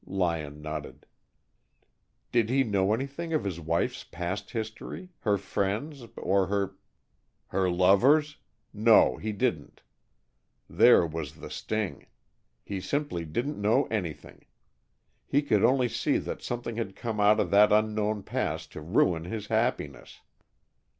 Lyon nodded. "Did he know anything of his wife's past history, her friends, or her " "Her lovers? No, he didn't. There was the sting. He simply didn't know anything. He could only see that something had come out of that unknown past to ruin his happiness."